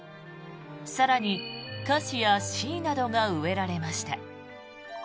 更に、カシやシイなどが植えられました。